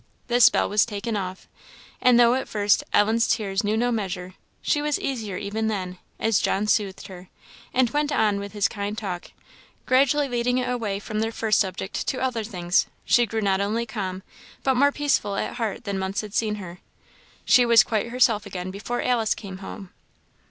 The spell was taken off; and though, at first, Ellen's tears knew no measure, she was easier even then; as John soothed her, and went on with his kind talk, gradually leading it away from their first subject to other things, she grew not only calm, but more peaceful at heart than months had seen her. She was quite herself again before Alice came home.